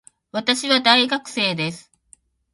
私は大学生です